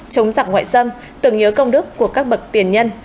chống giặc ngoại xâm tưởng nhớ công đức của các bậc tiền nhân